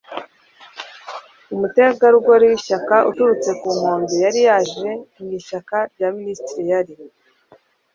umutegarugori w'ishyaka uturutse ku nkombe yari yaje mu ishyaka rya minisitiri. yari